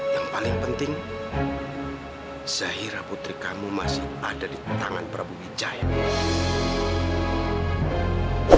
yang paling penting zahira putri kamu masih ada di tangan prabu wijaya